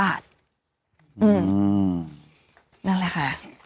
นั่นแหละค่ะ